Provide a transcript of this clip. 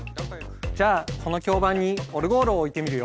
じゃあこの響板にオルゴールを置いてみるよ。